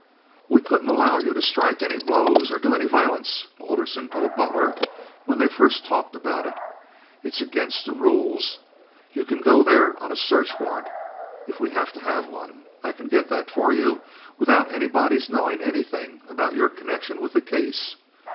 "We couldn't allow you to strike any blows or do any violence," Alderson told Butler, when they first talked about it. "It's against the rules. You can go in there on a search warrant, if we have to have one. I can get that for you without anybody's knowing anything about your connection with the case.